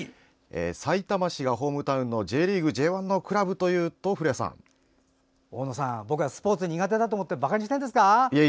さいたま市がホームタウンのＪリーグＪ１のクラブというと大野さん、僕がスポーツ苦手だと思ってばかにしてるんですか？